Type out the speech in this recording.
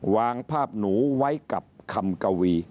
วางภาพหนูไว้กับคำกวี